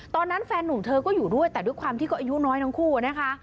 แฟนนุ่มเธอก็อยู่ด้วยแต่ด้วยความที่ก็อายุน้อยทั้งคู่นะคะ